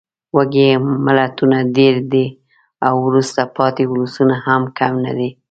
وږې ملتونه ډېر دي او وروسته پاتې ولسونه هم کم نه دي.